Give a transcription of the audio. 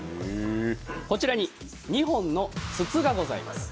こちらに２本の筒がございます。